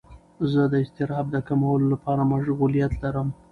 زه د اضطراب د کمولو لپاره مشغولیت لرم.